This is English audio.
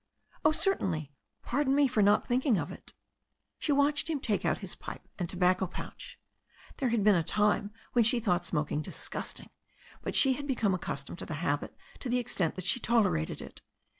"Oh, certainly. Pardon me for not thinking of it." She watched him take out his pipe and tobacco pouch. There had been a time when she thought smoking disgust ing, but she had become accustomed to the habit to the ex tent that she tolerated it.